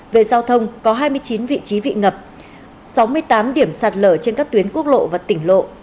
về giao thông có hai mươi chín vị trí bị ngập sáu mươi tám điểm sạt lở trên các tuyến quốc lộ và tỉnh lộ